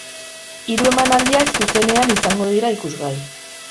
Hiru emanaldiak zuzenean izango dira ikusgai.